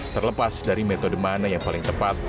terlepas dari metode mana yang paling tepat